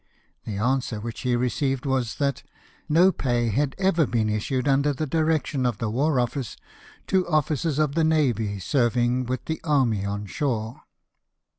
The answer which he received was, that " no pay had ever been issued under the direction of the War Office to officers of the navy serving with the prmy on shore."